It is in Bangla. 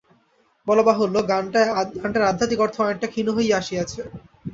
বলা বাহুল্য, গানটার আধ্যাত্মিক অর্থ অনেকটা ক্ষীণ হইয়া আসিয়াছে।